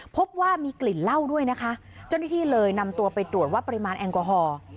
พบว่ามีกลิ่นเหล้าด้วยนะคะเจ้าหน้าที่เลยนำตัวไปตรวจว่าปริมาณแอลกอฮอล์